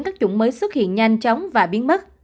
các chủng mới xuất hiện nhanh chóng và biến mất